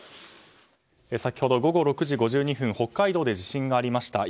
先ほど午後６時１２分北海道で地震がありました。